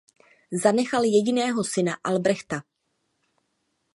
Zanechal jediného syna Albrechta.